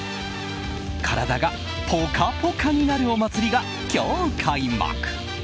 体がポカポカになるお祭りが今日開幕。